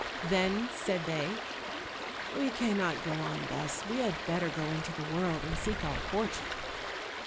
Then said they, "We cannot go on thus, we had better go into the world and seek our fortune."